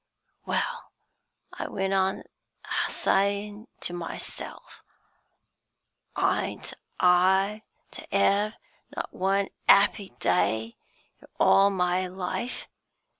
Well, I went on a sayin' to myself, 'Ain't I to 'ave not one 'appy day in all my life?'